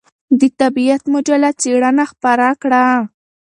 د طبعیت مجله څېړنه خپره کړه.